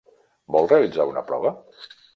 Vol realitzar una prova?